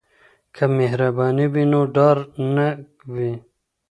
که مهرباني وي نو ډار نه وي.